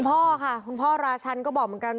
พ่อค่ะคุณพ่อราชันก็บอกเหมือนกัน